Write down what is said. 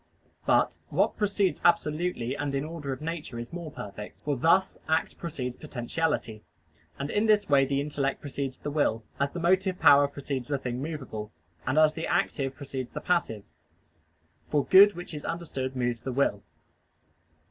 But what precedes absolutely and in the order of nature is more perfect: for thus act precedes potentiality. And in this way the intellect precedes the will, as the motive power precedes the thing movable, and as the active precedes the passive; for good which is understood moves the will.